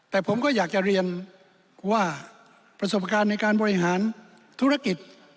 แต่ผมก็อยากจะเรียนว่าประสบการณ์ในการบริหารธุรกิจ